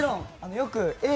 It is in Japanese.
よく、Ａぇ！